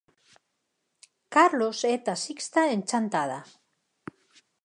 Carlos é taxista en Chantada.